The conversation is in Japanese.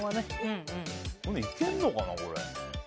いけるのかな、これ。